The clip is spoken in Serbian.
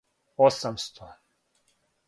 осамсто